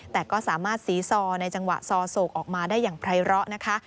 แต่ก็สามารถสีซอในจังหวะซอโศกออกมาได้อย่างไพร้อนะคะ